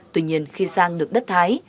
tuy nhiên khi sang nước đất thái